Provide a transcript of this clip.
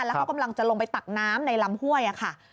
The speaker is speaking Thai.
แล้วเขากำลังจะลงไปตักน้ำในลำห้วยค่ะ